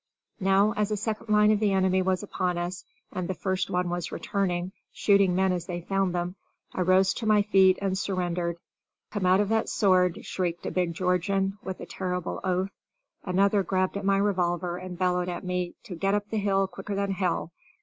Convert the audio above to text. Now, as a second line of the enemy was upon us, and the first one was returning, shooting men as they found them, I rose to my feet and surrendered. "Come out of that sword," shrieked a big Georgian, with a terrible oath. Another grabbed at my revolver and bellowed at me "to get up the hill quicker than hell."